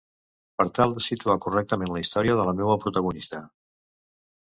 Per tal de situar correctament la història de la meua protagonista.